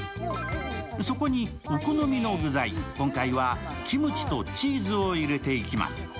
そこにお好みの具材、今回はキムチとチーズを入れていきます。